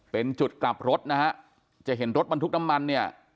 เป็นจุดกลับรถนะฮะจะเห็นรถบรรทุกน้ำมันเนี่ย